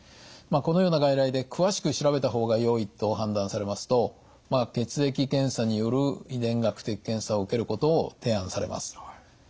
このような外来で詳しく調べた方がよいと判断されますと血液検査による遺伝学的検査を受けることを提案されます。